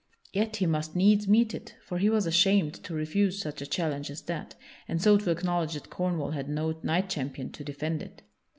Yet he must needs meet it, for he was ashamed to refuse such a challenge as that, and so to acknowledge that Cornwall had no knight champion to defend it.